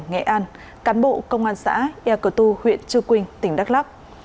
nghệ an cán bộ công an xã ea cơ tu huyện trư quynh tỉnh đắk lắk